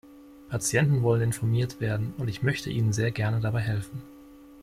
Patienten wollen informiert werden, und ich möchte ihnen sehr gerne dabei helfen.